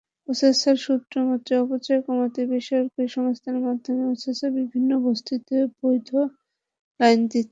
ওয়াসার সূত্রমতে, অপচয় কমাতে বেসরকারি সংস্থার মাধ্যমে ওয়াসা বিভিন্ন বস্তিতে বৈধ লাইন দিচ্ছে।